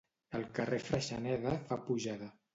El carrer Freixeneda fa pujada